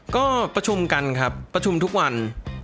ก็ประชุมกันครับประชุมทุกวัน